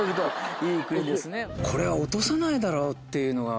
これは落とさないだろうっていうのが。